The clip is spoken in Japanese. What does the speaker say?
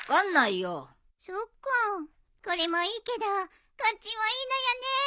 そっかこれもいいけどこっちもいいのよね。